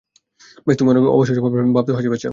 বেশ, তুমি অনেক অবসর সময় পাবে ভাবতেও হাসি পাচ্ছে আমার।